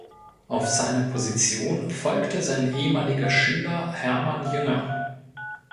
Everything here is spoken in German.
Auf seine Position folgte sein ehemaliger Schüler Hermann Jünger.